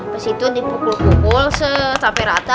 disitu dipukul pukul sampai rata